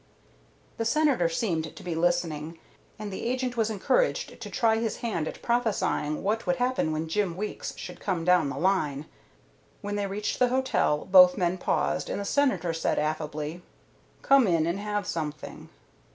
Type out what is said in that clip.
The Senator seemed to be listening, and the agent was encouraged to try his hand at prophesying what would happen when Jim Weeks should come down the line. When they reached the hotel both men paused, and the Senator said affably, "Come in and have something."